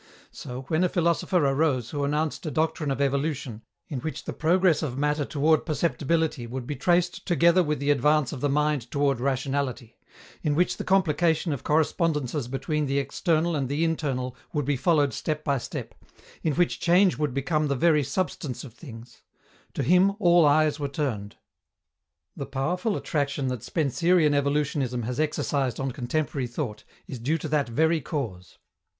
So, when a philosopher arose who announced a doctrine of evolution, in which the progress of matter toward perceptibility would be traced together with the advance of the mind toward rationality, in which the complication of correspondences between the external and the internal would be followed step by step, in which change would become the very substance of things to him all eyes were turned. The powerful attraction that Spencerian evolutionism has exercised on contemporary thought is due to that very cause.